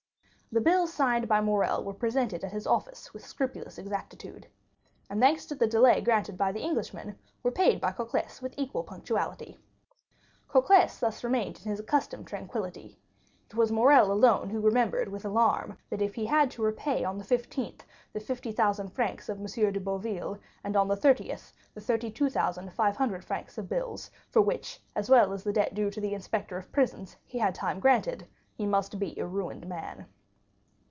The bills signed by Morrel were presented at his office with scrupulous exactitude, and, thanks to the delay granted by the Englishman, were paid by Cocles with equal punctuality. Cocles thus remained in his accustomed tranquillity. It was Morrel alone who remembered with alarm, that if he had to repay on the 15th the 50,000 francs of M. de Boville, and on the 30th the 32,500 francs of bills, for which, as well as the debt due to the inspector of prisons, he had time granted, he must be a ruined man.